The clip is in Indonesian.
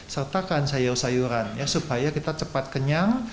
sertakan sayur sayuran ya supaya kita cepat kenyang